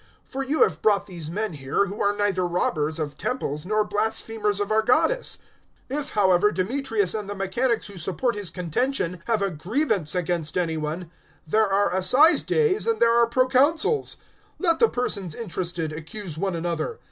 019:037 For you have brought these men here, who are neither robbers of temples nor blasphemers of our goddess. 019:038 If, however, Demetrius and the mechanics who support his contention have a grievance against any one, there are Assize days and there are Proconsuls: let the persons interested accuse one another.